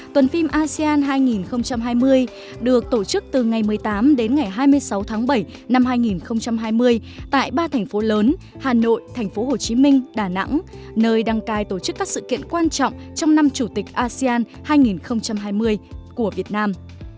tuần phim asean hai nghìn hai mươi được tổ chức từ ngày một mươi tám đến ngày hai mươi sáu tháng bảy năm hai nghìn hai mươi tại ba thành phố lớn hà nội thành phố hồ chí minh đà nẵng nơi đăng cai tổ chức các sự kiện quan trọng trong năm chủ tịch asean hai nghìn hai mươi của việt nam